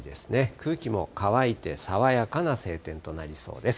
空気も乾いて爽やかな晴天となりそうです。